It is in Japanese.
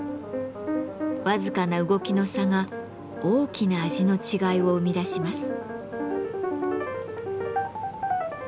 僅かな動きの差が大きな味の違いを生み出します。